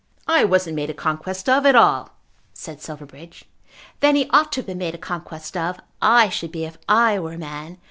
"I wasn't made a conquest of at all," said Silverbridge. "Then he ought to have been made a conquest of. I should be if I were a man.